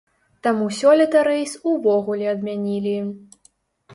Таму сёлета рэйс увогуле адмянілі.